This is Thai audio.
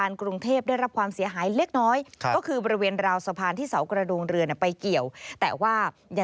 ในที่สุด